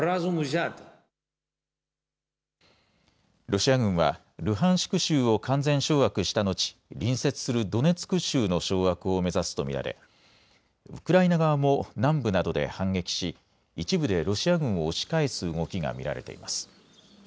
ロシア軍はルハンシク州を完全掌握した後隣接するドネツク州の掌握を目指すと見られウクライナ側も南部などで反撃し一部でロシア軍を押し返す動きが見られています。